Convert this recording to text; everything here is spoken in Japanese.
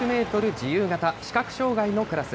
自由形・視覚障害のクラス。